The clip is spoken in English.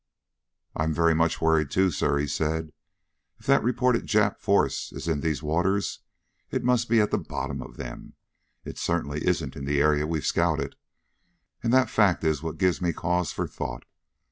"I'm very much worried, too, sir," he said. "If that reported Jap force is in these waters, it must be at the bottom of them. It certainly isn't in the area we've scouted. And that fact is what gives me cause for thought.